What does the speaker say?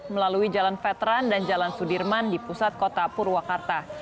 melalui jalan veteran dan jalan sudirman di pusat kota purwakarta